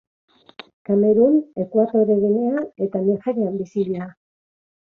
Kamerun, Ekuatore Ginea eta Nigerian bizi dira.